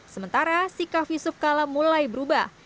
sementara sikap yusuf kala mulai berubah